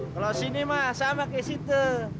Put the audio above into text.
kalau sini mah sama kayak situ